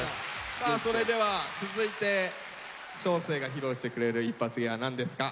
さあそれでは続いて将聖が披露してくれるイッパツ芸は何ですか？